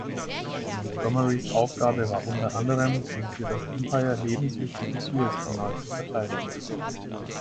Montgomerys Aufgabe war unter anderem, den für das Empire lebenswichtigen Sueskanal zu verteidigen.